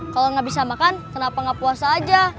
kalau gak bisa makan kenapa gak puasa aja